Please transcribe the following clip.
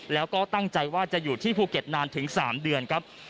แล้วก็ตั้งใจว่าจะอยู่ที่ภูเก็ตนานถึง๓เดือนครับ